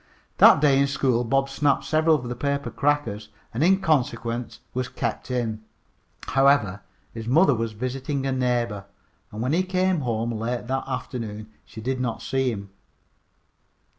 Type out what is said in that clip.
That day in school Bob snapped several of the paper crackers, and in consequence was kept in. However, his mother was visiting a neighbor, and when he came home late that afternoon she did not see him.